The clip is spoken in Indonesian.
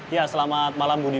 ya selamat malam budi